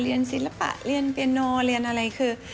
ศิลปะเรียนเปียโนเรียนอะไรคือ